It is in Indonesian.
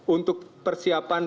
untuk persiapan pengurusan visa